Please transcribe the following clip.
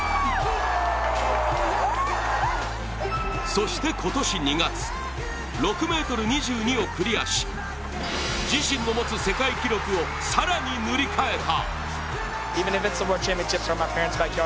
そして今年２月、６ｍ２２をクリアし自身の持つ世界記録を更に塗り替えた。